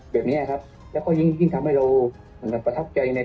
แบบนี้ครับแล้วก็ยิ่งทำให้เราประทับใจใน